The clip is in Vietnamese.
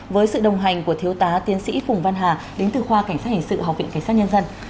với sự đồng hành của thiếu tá tiến sĩ phùng văn hà đến từ khoa cảnh sát hình sự học viện cảnh sát nhân dân